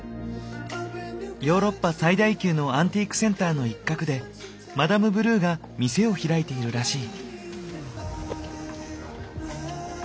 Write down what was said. ヨーロッパ最大級のアンティークセンターの一角でマダムブルーが店を開いているらしい。